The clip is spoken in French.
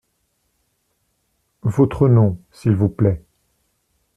Votre nom, s’il vous plait ?